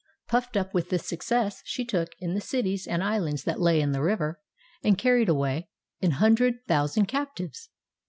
PufTed up with this success, she took, in the cities and ishinds that lay in the river, and carried away, an hundred thousand captives.